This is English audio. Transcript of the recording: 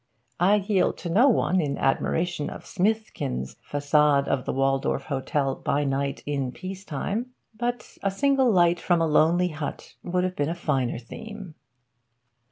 I yield to no one in admiration of Smithkins' 'Facade of the Waldorf Hotel by Night, in Peace Time.' But a single light from a lonely hut would have been a finer theme.